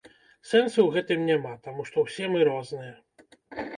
Сэнсу ў гэтым няма, таму што ўсе мы розныя.